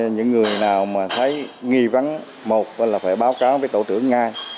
những người nào mà thấy nghi vấn một là phải báo cáo với tổ trưởng ngay